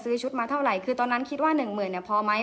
ชุดมาเท่าไหร่คือตอนนั้นคิดว่าหนึ่งหมื่นเนี่ยพอไหม